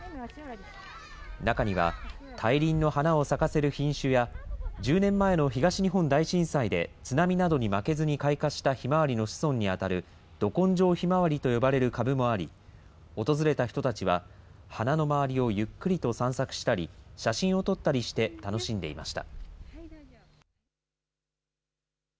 中には大輪の花を咲かせる品種や、１０年前の東日本大震災で津波などに負けずに開花したひまわりの子孫に当たる、ど根性ひまわりと呼ばれる株もあり、訪れた人たちは、花の周りをゆっくりと散策したり、写真を撮ったりして楽しんでいました。